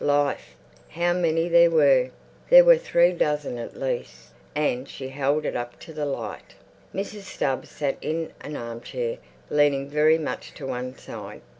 Life! How many there were! There were three dozzing at least. And she held it up to the light. Mrs. Stubbs sat in an arm chair, leaning very much to one side.